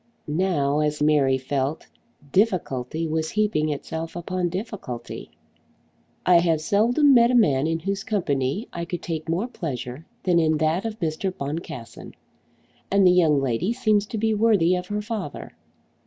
Now, as Mary felt, difficulty was heaping itself upon difficulty. "I have seldom met a man in whose company I could take more pleasure than in that of Mr. Boncassen; and the young lady seems to be worthy of her father."